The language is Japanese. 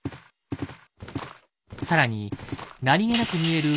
更に何気なく見える